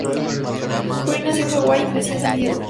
Guerin nació en Hawái y creció en San Diego.